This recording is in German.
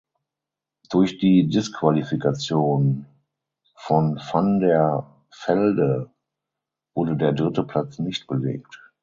Durch die Disqualifikation von van der Velde wurde der dritte Platz nicht belegt.